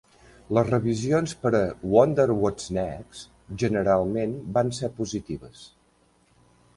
Les revisions per a "Wonder What's Next" generalment van ser positives.